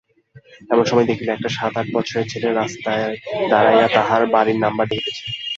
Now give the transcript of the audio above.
এমন সময় দেখিল একটি সাত-আট বছরের ছেলে রাস্তায় দাঁড়াইয়া তাহার বাড়ির নম্বর দেখিতেছে।